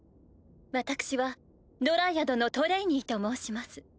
私はドライアドのトレイニーと申します。